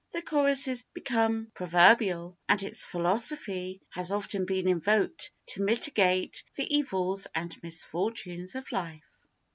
The chorus is become proverbial, and its philosophy has often been invoked to mitigate the evils and misfortunes of life.